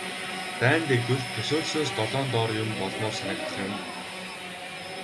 Дайн дэгдвэл төсөөлснөөс долоон доор юм болмоор санагдах юм.